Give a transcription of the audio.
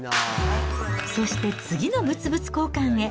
そして次の物々交換へ。